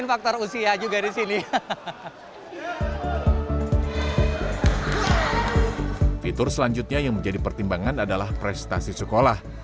fitur selanjutnya yang menjadi pertimbangan adalah prestasi sekolah